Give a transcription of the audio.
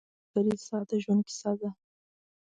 ملګری ستا د ژوند کیسه ده